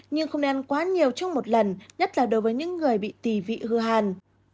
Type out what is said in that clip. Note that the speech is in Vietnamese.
nhưng không nên quá nhiều trong một lần nhất là đối với những người bị tì vị hư hàn